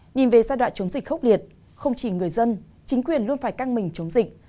nhìn về giai đoạn chống dịch khốc liệt không chỉ người dân chính quyền luôn phải căng mình chống dịch